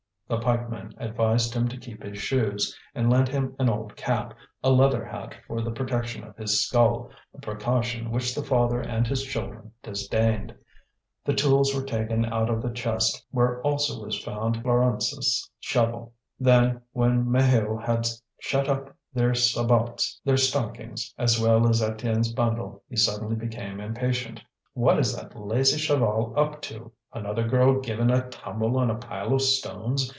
The pikeman advised him to keep his shoes, and lent him an old cap, a leather hat for the protection of his skull, a precaution which the father and his children disdained. The tools were taken out of the chest, where also was found Fleurance's shovel. Then, when Maheu had shut up their sabots, their stockings, as well as Étienne's bundle, he suddenly became impatient. "What is that lazy Chaval up to? Another girl given a tumble on a pile of stones?